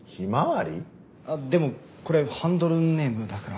でもこれハンドルネームだから。